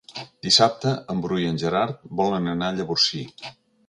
Dissabte en Bru i en Gerard volen anar a Llavorsí.